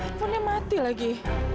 handphonenya mati lagi